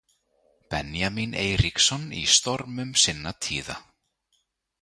Benjamín Eiríksson í stormum sinna tíða.